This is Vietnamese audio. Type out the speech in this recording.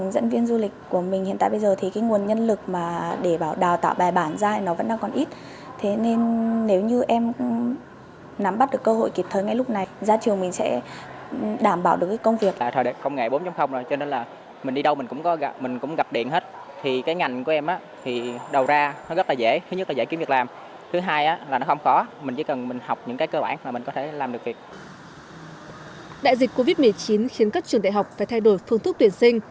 đại dịch covid một mươi chín khiến các trường đại học phải thay đổi phương thức tuyển sinh